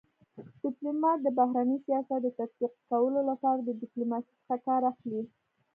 ډيپلومات دبهرني سیاست د تطبيق کولو لپاره د ډيپلوماسی څخه کار اخلي.